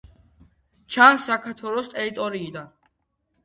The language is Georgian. ჩანს საქართველოს ტერიტორიიდან.